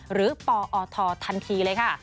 หรือปอททันทีเลยค่ะ